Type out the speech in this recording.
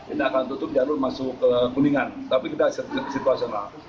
ini akan tutup jalur masuk ke kuningan tapi kita situasional